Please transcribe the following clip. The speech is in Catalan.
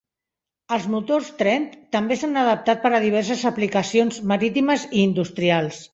Els motors Trent també s'han adaptat per a diverses aplicacions marítimes i industrials.